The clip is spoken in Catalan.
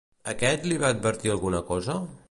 Aquest li va advertir alguna cosa?